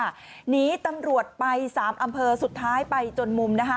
หนีตำรวจไป๓อำเภอสุดท้ายไปจนมุมนะคะ